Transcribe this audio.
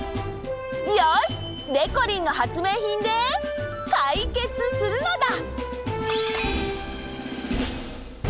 よし！でこりんの発明品でかいけつするのだ！